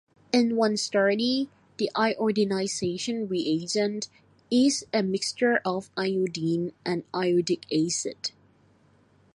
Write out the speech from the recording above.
In one study the iodinization reagent is a mixture of iodine and iodic acid.